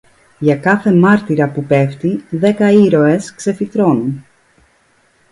Για κάθε μάρτυρα που πέφτει, δέκα ήρωες ξεφυτρώνουν